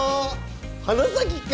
花咲か！